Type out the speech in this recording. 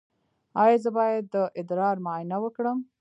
ایا زه باید د ادرار معاینه وکړم؟